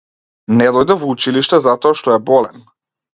Не дојде во училиште затоа што е болен.